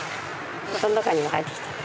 この中にも入ってきてた。